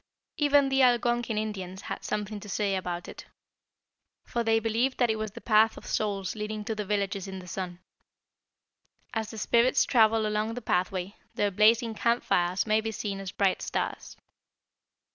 "Even the Algonquin Indians had something to say about it, for they believed that it was the 'Path of Souls' leading to the villages in the sun. As the spirits travel along the pathway, their blazing camp fires may be seen as bright stars.